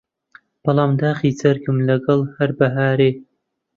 بەڵام داخی جەرگم لەگەڵ هەر بەهارێ